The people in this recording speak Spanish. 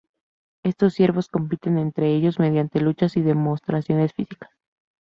Estos ciervos compiten entre ellos mediante luchas y demostraciones físicas.